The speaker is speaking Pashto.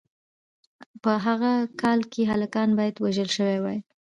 په هغه کال کې هلکان باید وژل شوي وای.